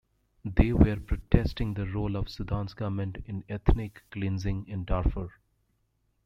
They were protesting the role of Sudan's government in ethnic cleansing in Darfur.